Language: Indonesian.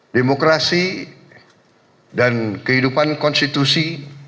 demokrasi dan kehidupan konstitusi